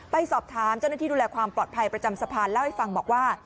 ไปสอบถามเจ้าหน้าที่ดูแลความปลอดภัยประจำสะพานเล่าให้ฟังบอกว่า